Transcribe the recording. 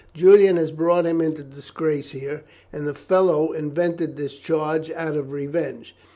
"Julian has brought him into disgrace here, and the fellow invented this charge out of revenge.